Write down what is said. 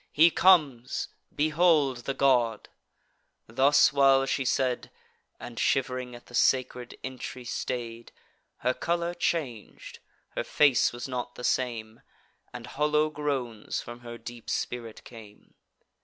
He comes; behold the god!" Thus while she said, (And shiv'ring at the sacred entry stay'd,) Her colour chang'd; her face was not the same, And hollow groans from her deep spirit came.